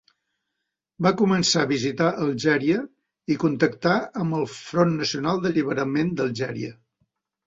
Va començar a visitar Algèria i contactà amb el Front Nacional d'Alliberament d'Algèria.